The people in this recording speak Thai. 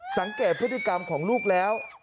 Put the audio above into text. สังเกตพฤติกรรมของลูกแล้ว